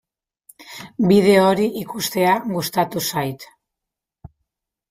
Bideo hori ikustea gustatu zait.